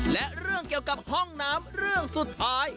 และเรื่องเกี่ยวกับห้องน้ำเรื่องสุดท้าย